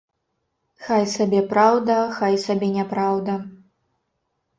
Хай сабе праўда, хай сабе няпраўда.